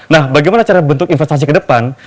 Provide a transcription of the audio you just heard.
nah bagaimana cara bentuk investasi ke depan